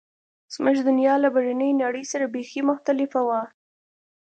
زموږ دنیا له بهرنۍ نړۍ سره بیخي مختلفه وه